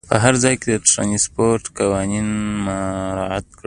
په هر ځای کې د ترانسپورټ قانون مراعات کړه.